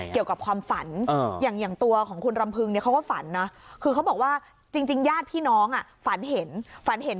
เกี่ยวกับความฝันอย่างตัวของคุณรำพึงเขาก็ฝันนะคือเขาบอกว่าจริงญาติพี่น้องฝันเห็นฝันเห็น